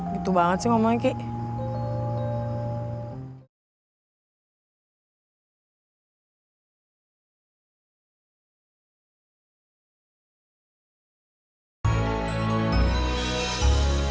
gitu banget sih ngomongnya ki